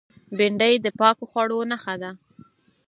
بېنډۍ د پاکو خوړو نخښه ده